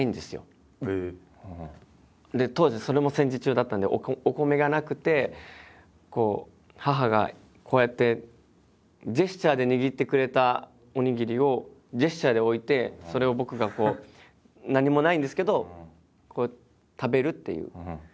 当時それも戦時中だったんでお米がなくて母がこうやってジェスチャーで握ってくれたおにぎりをジェスチャーで置いてそれを僕がこう何もないんですけどこう食べるっていう。